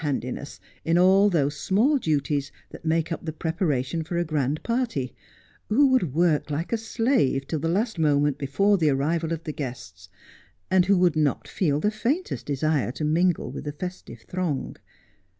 39 handiness in all those small duties that make up the preparation for a grand party, who would work like a slave till the last moment before the arrival of the guests, and who would not feel the faintest desire to mingle with the festive throng.